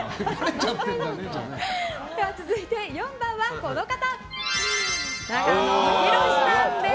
続いて４番は、長野博さんです。